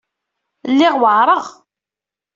Lliɣ weɛṛeɣ.